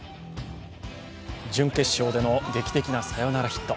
準決勝での劇的なサヨナラヒット。